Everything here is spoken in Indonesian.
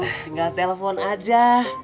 tinggal telfon aja